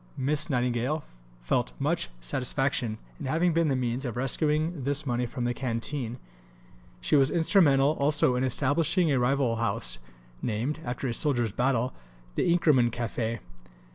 Miss Nightingale felt much satisfaction in having been the means of "rescuing this money from the canteen." She was instrumental also in establishing a rival house, named, after a soldiers' battle, the "Inkerman Café."